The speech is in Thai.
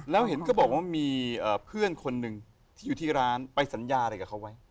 แล้วเห็นก็บอกว่ามีเพื่อนคนหนึ่งที่อยู่ที่ร้านไปสัญญาอะไรกับเขาไว้